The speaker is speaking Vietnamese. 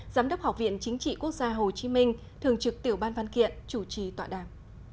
giám đốc học viện chính trị quốc gia hồ chí minh thường trực tiểu ban văn kiện chủ trì tọa đàm